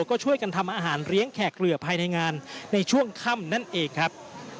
ก็ช่วยกันทำอาหารเลี้ยงแขกเหลือภายในงานในช่วงค่ำนั่นเองครับ